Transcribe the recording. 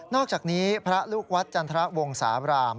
อกจากนี้พระลูกวัดจันทรวงศาบราม